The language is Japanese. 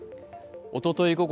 おととい